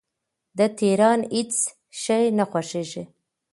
د تهران هیڅ شی نه خوښیږي